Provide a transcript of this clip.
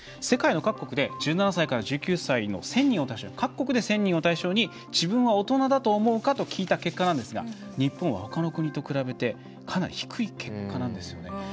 世界の各国で１７歳から１９歳の各国で１０００人を対象に自分は大人だと思うかと聞いた結果なんですが日本は、ほかの国と比べてかなり低い結果なんですよね。